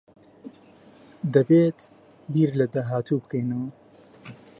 دەبێت بیر لە داهاتووت بکەیتەوە.